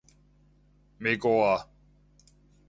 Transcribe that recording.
咩歌啊？